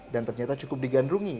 dan ternyata cukup digandrungi